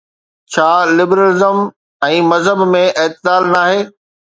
ڇا لبرلزم ۽ مذهب ۾ اعتدال ناهي؟